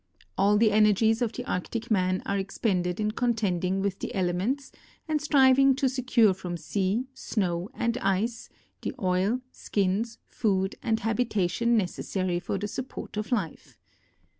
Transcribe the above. All the energies of the Arctic man are expended in contending with the elements and striving to secure from sea, snow, and ice the oil, skins, food, and hal)ita tion necessary for the support of life.